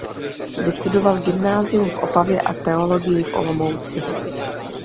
Vystudoval gymnázium v Opavě a teologii v Olomouci.